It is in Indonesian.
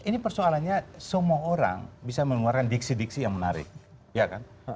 ini persoalannya semua orang bisa mengeluarkan diksi diksi yang menarik ya kan